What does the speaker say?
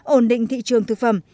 ổn định thị trường thực phẩm